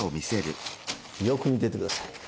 よく見てて下さい。